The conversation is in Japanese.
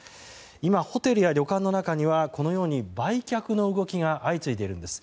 今、ホテルや旅館の中にはこのように売却の動きが相次いでいるんです。